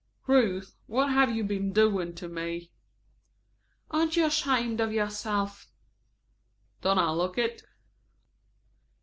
"Ruth, what have you been doing to me?" "Aren't you ashamed of yourself?" "Don't I look it?"